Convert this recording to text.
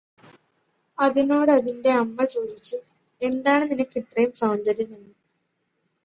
അതിനോട് അതിന്റെ അമ്മ ചോദിച്ചു എന്താണ് നിനക്കിത്രേം സൗന്ദര്യമെന്ന്